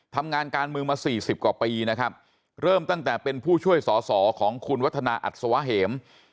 ทำงานการเมืองมาสี่สิบกว่าปีนะครับเริ่มตั้งแต่เป็นผู้ช่วยสอสอของคุณวัฒนาอัศวะเหม